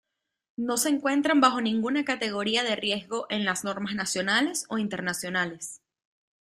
No se encuentran bajo ninguna categoría de riesgo en las normas nacionales o internacionales.